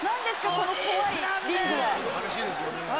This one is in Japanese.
この怖いリングは。